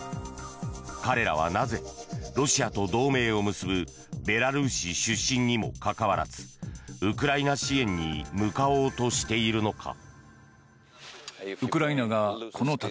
彼らはなぜ、ロシアと同盟を結ぶベラルーシ出身にもかかわらずウクライナ支援に向かおうとしているのか。